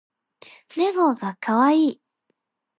ねこがかわいい